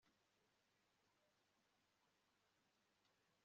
ni koko, niwitabaza ubwenge ukiyambaza ubushishozi